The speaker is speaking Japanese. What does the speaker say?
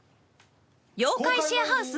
『妖怪シェアハウス』